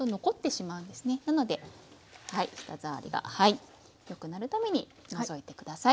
なので舌触りがよくなるために除いて下さい。